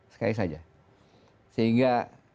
sekali saja sehingga